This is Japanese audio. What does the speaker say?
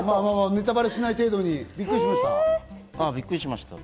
ネタバレしない程度に宮崎さん、びっくりしましたか？